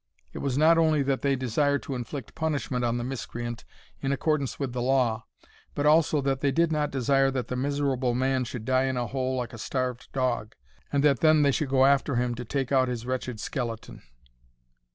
It was not only that they desired to inflict punishment on the miscreant in accordance with the law, but also that they did not desire that the miserable man should die in a hole like a starved dog, and that then they should go after him to take out his wretched skeleton.